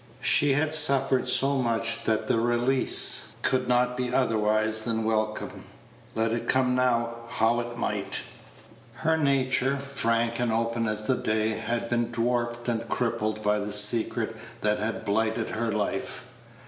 She had suffered so much that the release could not be otherwise than welcome, let it come how it might. Her nature, frank and open as the day, had been dwarfed and crippled by the secret that had blighted her life.